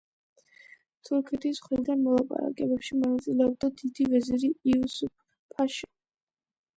თურქეთის მხრიდან მოლაპარაკებებში მონაწილეობდა დიდი ვეზირი იუსუფ–ფაშა.